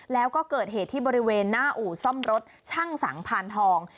แล้วก็เกิดเหตุที่บริเวณหน้าอู่ซ่อมรถช่างสังพานทอง